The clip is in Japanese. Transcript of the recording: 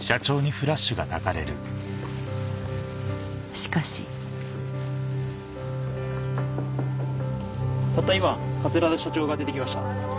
しかしたった今桂田社長が出て来ました。